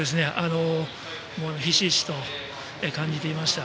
ひしひしと感じていました。